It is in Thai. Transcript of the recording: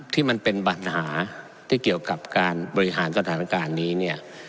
ที่มันเป็นปัญหาที่เกี่ยวกับการบริหารสถานการณ์นี้เนี่ย